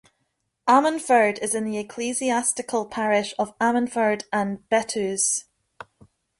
Ammanford is in the ecclesiastical parish of Ammanford and Betws.